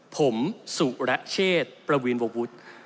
ผมสุรเชษประวีนววุฒิ